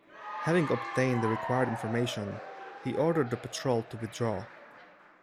Having obtained the required information, he ordered the patrol to withdraw.